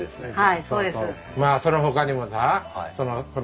はい。